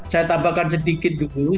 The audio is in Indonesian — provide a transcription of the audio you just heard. saya tambahkan sedikit dulu